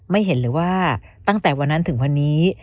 เห็นเลยว่าตั้งแต่วันนั้นถึงวันนี้